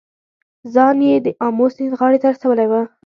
ځان یې د آمو سیند غاړې ته رسولی و.